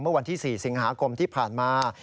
เมื่อวันที่๔สิงหาคมที่ผ่านมา